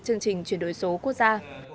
chương trình chuyển đổi số quốc gia